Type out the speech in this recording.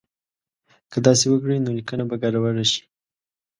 که داسې وکړي نو لیکنه به ګډوډه شي.